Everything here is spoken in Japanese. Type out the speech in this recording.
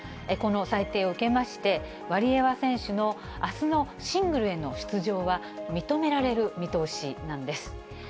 この裁定を受けまして、ワリエワ選手のあすのシングルへの出場は、認められる見通しなんです。